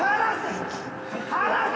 離せ！